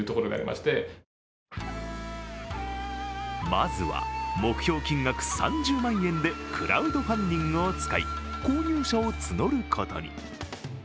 まずは目標金額３０万円でクラウドファンディングを使い購入者を募ることに。